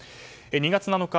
２月７日